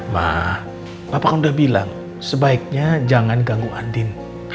ma papa kan udah bilang sebaiknya jangan ganggu andien